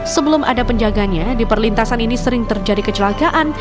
sebelum ada penjaganya di perlintasan ini sering terjadi kecelakaan